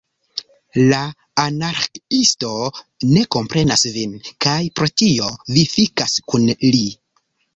La Anarĥiisto ne komprenas vin, kaj pro tio vi fikas kun li?